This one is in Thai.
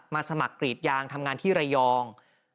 สมัครกรีดยางทำงานที่ระยอง